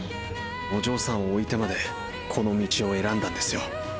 お嬢さんを置いてまでこの道を選んだんですよ。